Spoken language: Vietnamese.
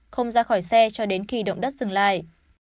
không ra khỏi xe cho đến kỳ động đất dừng lại